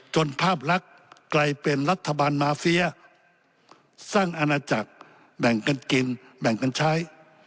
ภาพลักษณ์กลายเป็นรัฐบาลมาเฟียสร้างอาณาจักรแบ่งกันกินแบ่งกันใช้